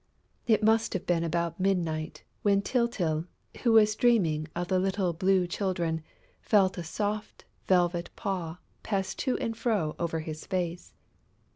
It must have been about midnight, when Tyltyl, who was dreaming of the little Blue Children, felt a soft velvet paw pass to and fro over his face.